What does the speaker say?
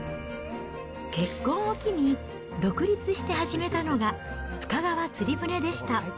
結婚をきに独立して始めたのが、深川つり舟でした。